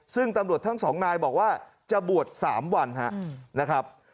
ซึ่งตำรวจทั้งสองนายบอกว่าจะบวช๓วันนะครับ